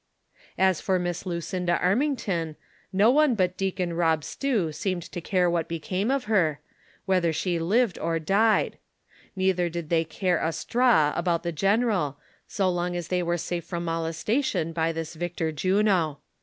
As for Miss Lucinda Armington, no one but Deacon Rob Stew seemed to cai e what became of her, whether she lived or died ; neither did they care a straw about the gene ral, so long as they were safe from molestation by this Victor Juno.